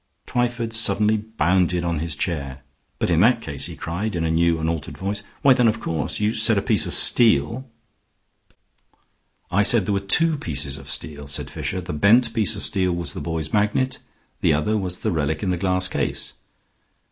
Twyford suddenly bounded on his chair. "But in that case," he cried, in a new and altered voice, "why then of course You said a piece of steel ?" "I said there were two pieces of steel," said Fisher. "The bent piece of steel was the boy's magnet. The other was the relic in the glass case."